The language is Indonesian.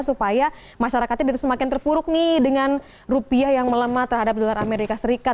supaya masyarakatnya semakin terpuruk nih dengan rupiah yang melemah terhadap dolar as